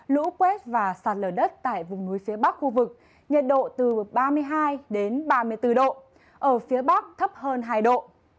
lũ quét và sạt lở đất tại vùng núi phía bắc khu vực nhiệt độ từ ba mươi hai ba mươi bốn độ ở phía bắc thấp hơn hai độ